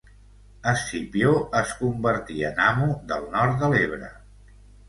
Escipió es convertí en amo del nord de l'Ebre.